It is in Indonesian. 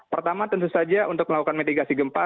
pertama tentu saja untuk melakukan mitigasi gempa